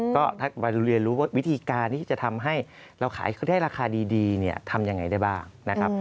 ถ้าเรียนรู้วิธีการที่จะทำให้เราขายได้ราคาดีทำอย่างไรได้บ้าง